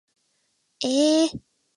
えー